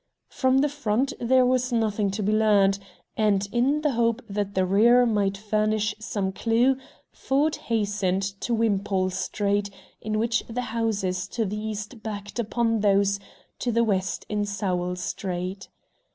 From the front there was nothing to be learned, and in the hope that the rear might furnish some clew, Ford hastened to Wimpole Street, in which the houses to the east backed upon those to the west in Sowell Street.